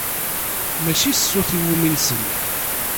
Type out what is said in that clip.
Mačči s ṣṣut iwumi i nsell.